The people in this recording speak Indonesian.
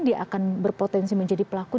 dia akan berpotensi menjadi pelaku